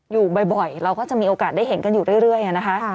อยู่บ่อยเราก็จะมีโอกาสได้เห็นกันอยู่เรื่อยนะคะ